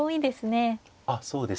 あっそうですね。